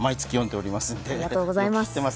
ありがとうございます。